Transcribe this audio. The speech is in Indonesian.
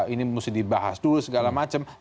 ini mesti dibahas dulu segala macam